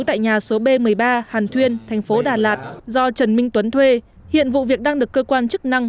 tại nhà số b một mươi ba hàn thuyên thành phố đà lạt do trần minh tuấn thuê hiện vụ việc đang được cơ quan chức năng